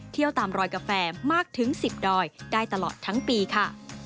ตามรอยกาแฟมากถึง๑๐ดอยได้ตลอดทั้งปีค่ะ